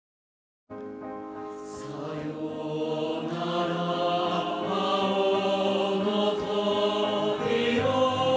「さようなら青の鳥よ」